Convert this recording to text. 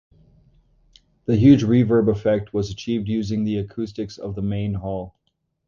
The huge reverb effect was achieved using the acoustics of the main hall.